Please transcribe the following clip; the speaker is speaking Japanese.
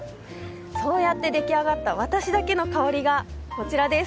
そうやって出来上がった私だけの香りがこちらです。